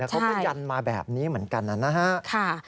เขาพยันยันมาแบบนี้เหมือนกันน่ะ